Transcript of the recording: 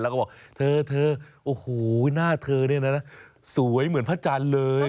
แล้วก็บอกเธอเธอโอ้โหหน้าเธอเนี่ยนะสวยเหมือนพระจันทร์เลย